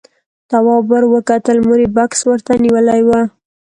تواب ور وکتل، مور يې بکس ورته نيولی و.